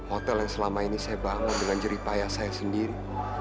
hotel yang selama ini saya bangun dengan jeripaya saya sendiri